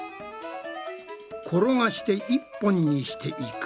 転がして一本にしていく。